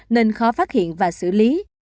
nên khó phát hiện và xử lý